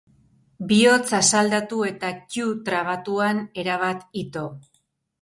Bihotz asaldatu eta ttu trabatuan, erabat ito.